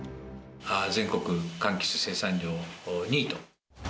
全国かんきつ生産量２位と。